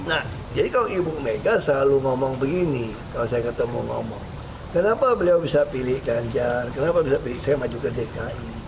nah jadi kalau ibu mega selalu ngomong begini kalau saya ketemu ngomong kenapa beliau bisa pilih ganjar kenapa bisa pilih saya maju ke dki